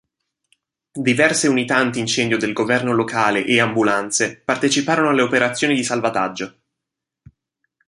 Diverse unità antincendio del governo locale e ambulanze parteciparono alle operazioni di salvataggio.